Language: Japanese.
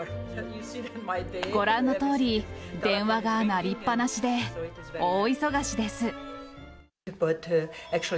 ご覧のとおり、電話が鳴りっぱなしで、大忙しです。